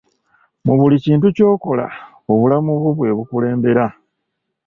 Mu buli kintu ky'okola, obulamu bwo bwe bukulembera.